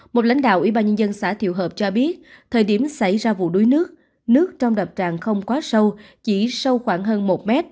một lãnh đạo ủy ban nhân dân xã thiệu hợp cho biết thời điểm xảy ra vụ đuối nước nước trong đập tràn không quá sâu chỉ sâu khoảng hơn một m